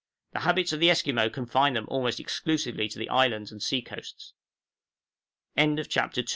The habits of the Esquimaux confine them almost exclusively to the islands and sea coasts. CHAPTER III.